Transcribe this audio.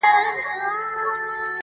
لا پخپله هم د بار په منځ کي سپور وو!!